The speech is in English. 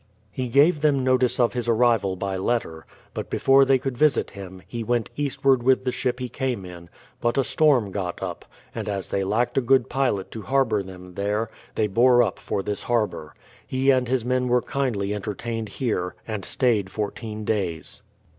He gave them notice of his arrival by letter, but before they could visit him, he went eastward with the ship he came in; but a storm got up, and as they lacked a good pilot to harbour them there, they bore up for this harbour. He and his men were kindly entertained here, and staged fourteen days.